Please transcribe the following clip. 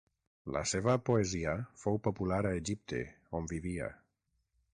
La seva poesia fou popular a Egipte on vivia.